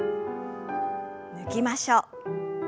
抜きましょう。